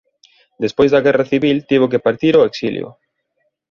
Despois da guerra civil tivo que partir ao exilio.